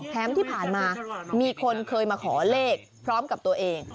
ที่ผ่านมามีคนเคยมาขอเลขพร้อมกับตัวเอง